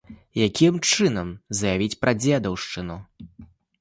Якім чынам заявіць пра дзедаўшчыну?